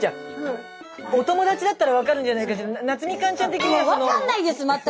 お友達だったら分かるんじゃないかしらなつみかんちゃん的にはその。